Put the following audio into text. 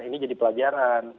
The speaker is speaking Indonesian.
ini jadi pelajaran